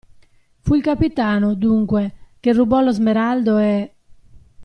Fu il capitano, dunque, che rubò lo smeraldo e.